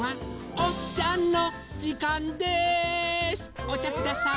おちゃください。